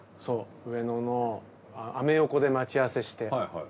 そう上野のアメ横で待ち合わせして。